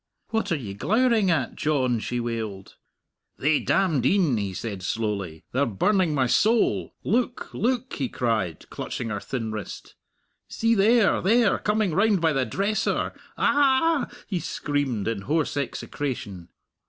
"What are ye glowering at, John?" she wailed. "Thae damned een," he said slowly, "they're burning my soul! Look, look!" he cried, clutching her thin wrist; "see, there, there coming round by the dresser! A ah!" he screamed, in hoarse execration.